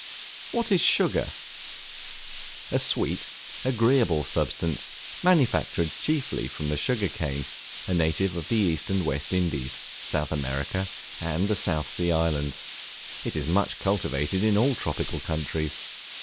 What is Sugar? A sweet, agreeable substance, manufactured chiefly from the Sugar Cane, a native of the East and West Indies, South America and the South Sea Islands; it is much cultivated in all tropical countries.